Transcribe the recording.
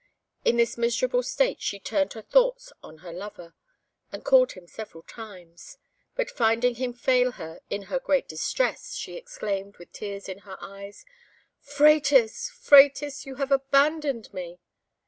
In this miserable state she turned her thoughts on her lover, and called him several times; but finding him fail her in her great distress, she exclaimed, with tears in her eyes, "Phratis! Phratis! you have abandoned me!"